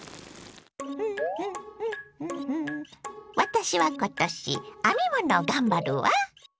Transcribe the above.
私は今年編み物を頑張るわ！